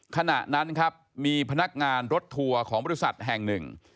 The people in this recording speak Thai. ขณะนั้นครับมีพนักงานรถทัวร์ของบริษัทแห่งหนึ่ง